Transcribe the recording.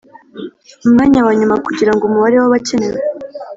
umwanya wa nyuma kugira ngo umubare wabakenewe